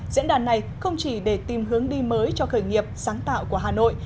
diễn đàn này không chỉ để tìm hướng đi mới cho khởi nghiệp sáng tạo của hà nội